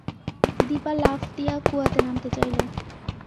দিপা লাফ দিয়া কুয়াতে নামতে চাইল।